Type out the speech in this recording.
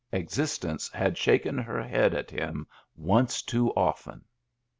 Existence had shaken her head at him once too often.